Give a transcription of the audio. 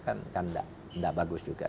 kan tidak bagus juga